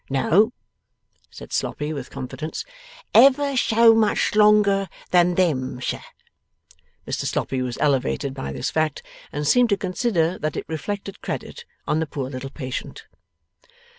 'No,' said Sloppy with confidence, 'ever so much longer than THEM, sir!' (Mr Sloppy was elevated by this fact, and seemed to consider that it reflected credit on the poor little patient.)